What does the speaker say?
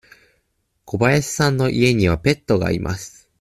小林さんの家にはペットがいます。